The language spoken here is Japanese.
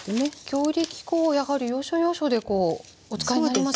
強力粉をやはり要所要所でお使いになりますね小菅さん。